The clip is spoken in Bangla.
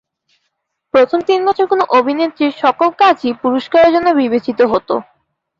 প্রথম তিন বছর কোন অভিনেত্রীর সকল কাজই পুরস্কারের জন্য বিবেচিত হত।